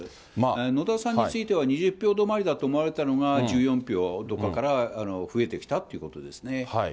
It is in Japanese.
野田さんについては、２０票止まりだと思われていたのが、１４票どこかから増えてきたということですね。